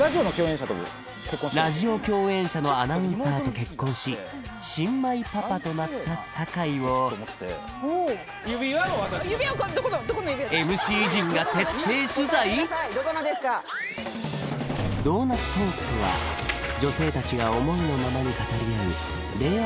ラジオ共演者のアナウンサーと結婚し新米パパとなった酒井をドーナツトークとは女性達が思いのままに語り合う令和